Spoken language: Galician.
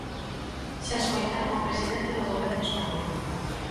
Xa escoitaron o presidente do goberno español.